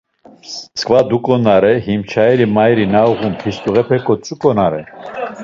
Sǩva duǩonare him çayiri mairi na uğun, pisluğepe kotzuǩonare…